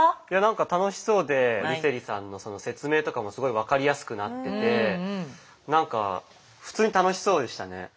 いやなんか楽しそうで梨星さんの説明とかもすごい分かりやすくなっててなんか普通に楽しそうでしたね。